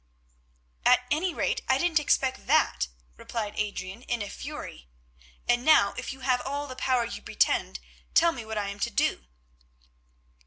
"At any rate I didn't expect that," replied Adrian in a fury. "And now, if you have all the power you pretend, tell me what I am to do."